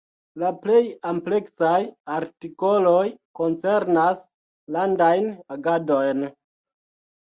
La plej ampleksaj artikoloj koncernas landajn agadojn.